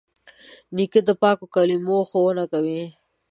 نیکه د پاکو کلمو ښوونه کوي.